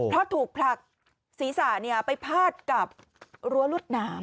เพราะถูกผลักศีรษะไปพาดกับรั้วรวดหนาม